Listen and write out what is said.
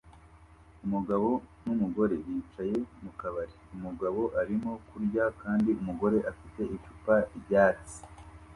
Umugabo numugore bicaye mukabari umugabo arimo kurya kandi umugore afite icupa ryatsi